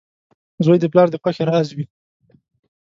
• زوی د پلار د خوښۍ راز وي.